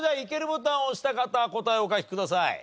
ボタンを押した方答えをお書きください。